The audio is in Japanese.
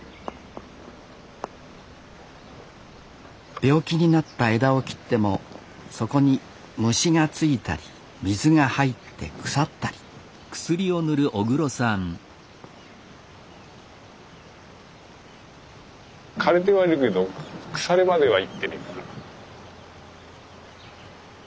病気になった枝を切ってもそこに虫がついたり水が入って腐ったり枯れてはいるけど腐れまではいってねえかな。